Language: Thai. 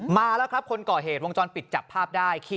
มาแล้วครับคนก่อเหตุวงจรปิดจับภาพได้